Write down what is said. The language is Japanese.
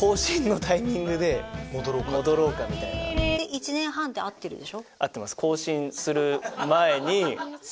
１年半って合ってるでしょ？